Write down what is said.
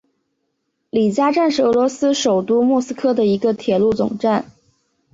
里加站是俄罗斯首都莫斯科的一个铁路总站。